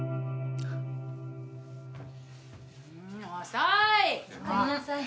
遅い！